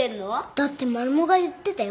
だってマルモが言ってたよ。